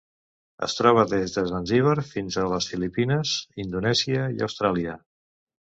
Es troba des de Zanzíbar fins a les Filipines, Indonèsia i Austràlia.